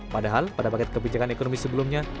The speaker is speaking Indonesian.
padahal pada paket kebijakan ekonomi sebelumnya